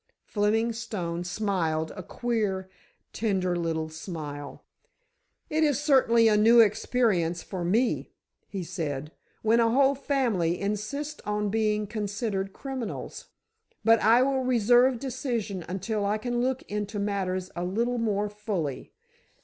Fleming Stone smiled, a queer, tender little smile. "It is certainly a new experience for me," he said, "when a whole family insist on being considered criminals. But I will reserve decision until I can look into matters a little more fully.